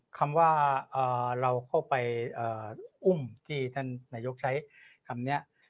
คำว่าเราเข้าไปอุ้มที่ท่านนายกใช้คำนี้